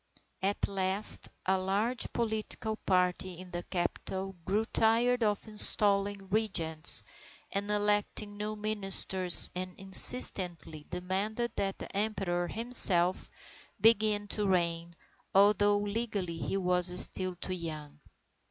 _ At last a large political party in the capital grew tired of installing Regents and electing new ministers, and insistently demanded that the Emperor himself begin to reign, although legally he was still too young.